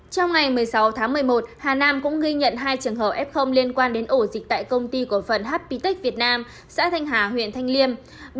trong ngày một mươi sáu tháng một mươi một hà nam cũng ghi nhận hai trường hợp f liên quan đến ổ dịch tại công ty cổ phần hptech việt nam xã thanh hà huyện thanh liêm